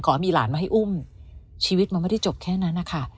มีหลานมาให้อุ้มชีวิตมันไม่ได้จบแค่นั้นนะคะ